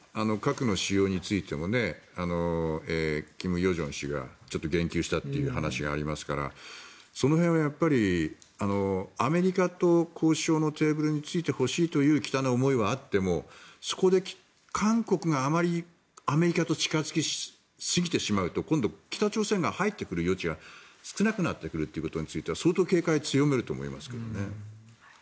核の使用についても金与正氏がちょっと言及したという話がありますからその辺はアメリカと交渉のテーブルに着いてほしいという北の思いはあってもそこで韓国があまりアメリカと近付きすぎてしまうと今度は北朝鮮が入ってくる余地が少なくなってくるということについては相当警戒を強めると思いますけどね。